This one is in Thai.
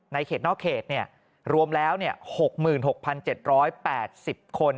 เขตนอกเขตรวมแล้ว๖๖๗๘๐คน